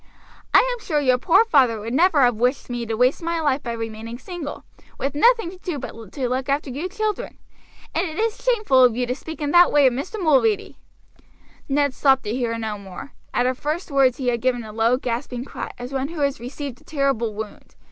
I am sure your poor father would never have wished me to waste my life by remaining single, with nothing to do but to look after you children. And it is shameful of you to speak in that way of Mr. Mulready." Ned stopped to hear no more. At her first words he had given a low, gasping cry, as one who has received a terrible wound.